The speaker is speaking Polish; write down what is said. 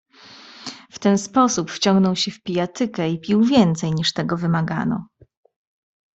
"W ten sposób wciągnął się w pijatykę i pił więcej, niż tego wymagano."